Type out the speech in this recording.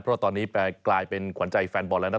เพราะตอนนี้กลายเป็นขวัญใจแฟนบอลแล้วนะ